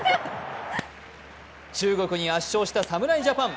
中国に圧勝した侍ジャパン。